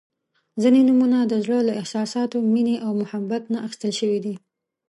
• ځینې نومونه د زړۀ له احساساتو، مینې او محبت نه اخیستل شوي دي.